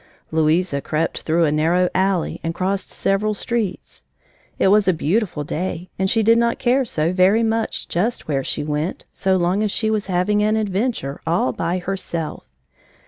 Louisa crept through a narrow alley and crossed several streets. It was a beautiful day, and she did not care so very much just where she went so long as she was having an adventure, all by herself.